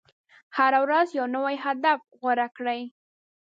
هره ورځ یو نوی هدف غوره کړئ.